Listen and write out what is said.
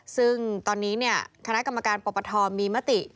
ซึ่งตอนนี้คณะกรรมการปปทมีมติ